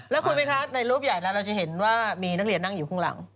แล้วคุณไหมคะในรูปใหญ่แล้วเราจะเห็นว่ามีนักเรียนนั่งอยู่ข้างหลัง